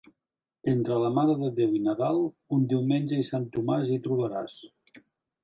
Entre la Mare de Déu i Nadal, un diumenge i Sant Tomàs hi trobaràs.